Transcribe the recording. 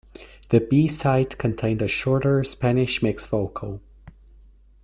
The B-side contained a shorter Spanish Mix vocal.